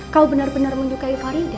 kau benar benar menyukai farida